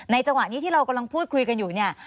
จังหวะนี้ที่เรากำลังพูดคุยกันอยู่เนี่ย